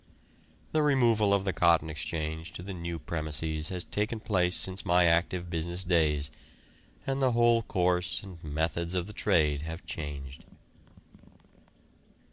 The removal of the Cotton Exchange to the new premises has taken place since my active business days, and the whole course and methods of the trade have changed.